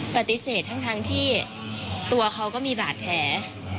ปฏิเสธทั้งที่ตัวเขาก็มีบาดแผล